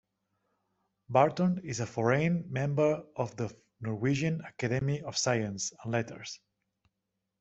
Barton is a foreign member of the Norwegian Academy of Science and Letters.